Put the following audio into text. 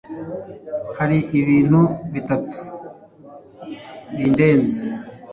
Hari ibintu bitatu bindenze